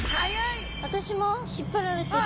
私も引っ張られてる。